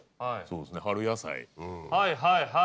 はいはいはい。